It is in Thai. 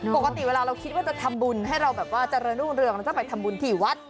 ปกติเวลาเราคิดว่าจะทำบุญให้เราแบบว่าเจริญรุ่งเรืองเราจะไปทำบุญที่วัด